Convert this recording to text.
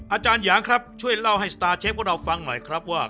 อาจารย์หยางครับช่วยเล่าให้สตาร์เชฟของเราฟังหน่อยครับว่า